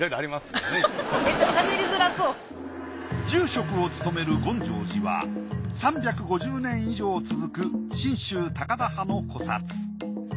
住職を務める欣浄寺は３５０年以上続く真宗高田派の古刹。